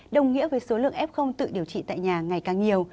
đồng nghĩa với số lượng f tự điều trị tại nhà ngày càng nhiều